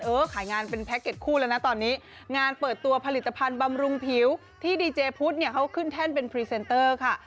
ขายงานเป็นแพ็กเก็ตคู่แล้วนะตอนนี้งานเปิดตัวผลิตภัณฑ์บำรุงผิวที่ดีเจพุทธเนี่ยเขาขึ้นแท่นเป็นพรีเซนเตอร์ค่ะ